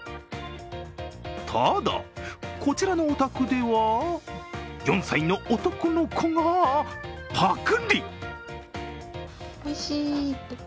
ただ、こちらのお宅では４歳の男の子がパクリ。